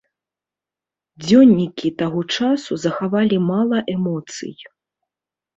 Дзённікі таго часу захавалі мала эмоцый.